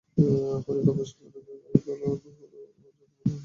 হযরত Abu Sufyan রাযিয়াল্লাহু আনহু জ্যান্ত মূর্তি হয়ে যান।